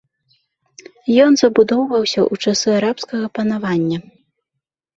Ён забудоўваўся ў часы арабскага панавання.